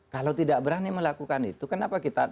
kalau tidak berani melakukan itu kenapa kita